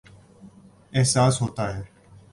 احساس ہوتاہے